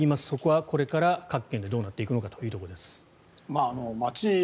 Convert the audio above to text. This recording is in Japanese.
そこはここから各県でどうなっていくかというところです。